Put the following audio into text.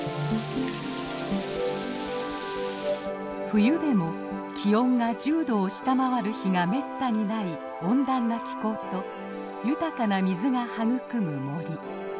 冬でも気温が１０度を下回る日がめったにない温暖な気候と豊かな水が育む森。